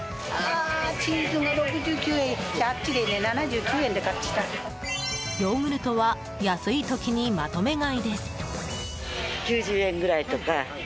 ヨーグルトは安い時にまとめ買いです。